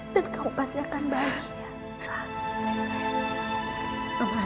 dan kamu pasti akan bahagia